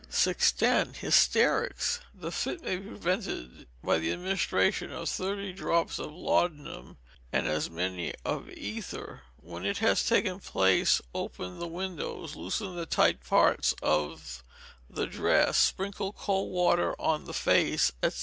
610. Hysterics. The fit may be prevented by the administration of thirty drops of laudanum, and as many of ether. When it has taken place open the windows, loosen the tight parts of the dress, sprinkle cold water on the face, &c.